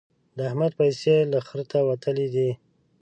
د احمد پيسې له خرته وتلې دي.